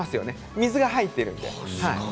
水が入っているので。